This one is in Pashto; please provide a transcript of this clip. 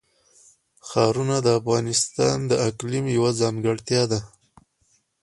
ښارونه د افغانستان د اقلیم یوه ځانګړتیا ده.